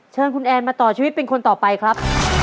เชิญคุณแอนมาต่อชีวิตเป็นคนต่อไปครับ